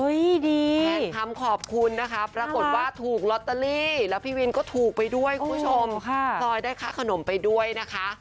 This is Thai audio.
แทนคำขอบคุณนะคะปรากฏว่าถูกลอตเตอรี่แล้วพี่วินก็ถูกไปด้วยคุณผู้ชมพลอยได้ค่าขนมไปด้วยนะคะ